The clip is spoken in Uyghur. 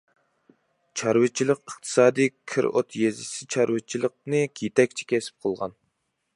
چارۋىچىلىق ئىقتىسادىي كىرئۇت يېزىسى چارۋىچىلىقنى يېتەكچى كەسىپ قىلغان.